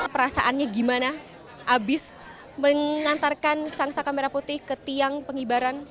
perasaannya gimana abis mengantarkan sang saka merah putih ke tiang pengibaran